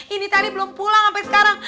ini tadi belum pulang sampe sekarang